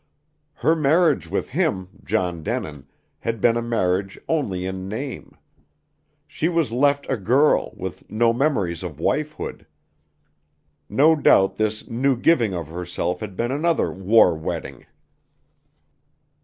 Her marriage with him, John Denin, had been a marriage only in name. She was left a girl, with no memories of wifehood. No doubt this new giving of herself had been another "war wedding."